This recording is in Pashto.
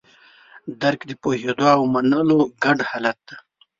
درک د پوهېدو او منلو ګډ حالت دی.